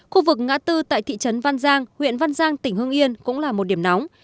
khu vực ngã tư tại thị trấn văn giang huyện văn giang tỉnh hương yên cũng là một điểm nóng